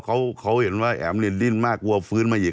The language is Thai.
เขาเห็นว่าแอ๋มเนี่ยดิ้นมากกลัวฟื้นมาอีก